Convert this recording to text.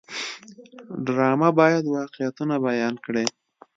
ډرامه باید واقعیتونه بیان کړي